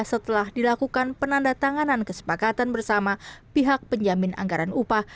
setelah dilakukan penanda tanganan kesepakatan bersama pihak penjamin anggaran upah